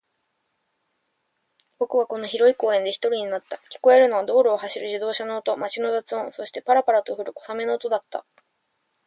僕はこの広い公園で一人になった。聞こえるのは道路を走る自動車の音、街の雑音、そして、パラパラと降る小雨の音だった。